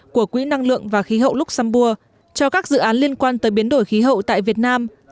của quỹ năng lượng và khí hậu luxembourg cho các dự án liên quan tới biến đổi khí hậu tại việt nam